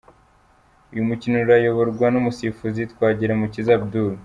Uyu mukino urayoborwa n’umusifuzi Twagiramukiza Abdoul.